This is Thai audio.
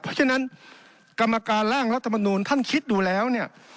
เพราะฉะนั้นกรรมการร่างรัฐมนูลท่านคิดดูแล้วเนี่ย